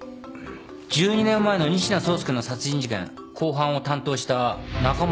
１２年前の仁科壮介の殺人事件公判を担当した中森検事ですね。